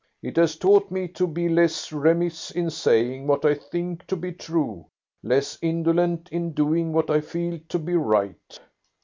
It has taught me to be less remiss in saying what I think to be true, less indolent in doing what I feel to be right."